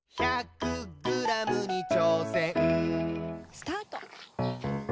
・スタート！